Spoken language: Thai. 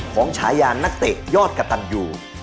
ของชายานักเตะยอดกับตันอยู่